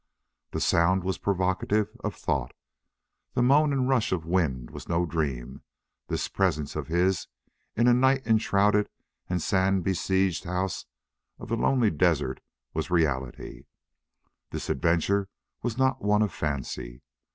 The sound was provocative of thought. This moan and rush of wind was no dream this presence of his in a night enshrouded and sand besieged house of the lonely desert was reality this adventure was not one of fancy.